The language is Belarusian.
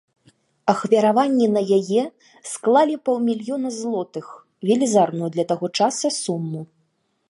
Ахвяраванні на яе склалі паўмільёна злотых, велізарную для таго часу суму.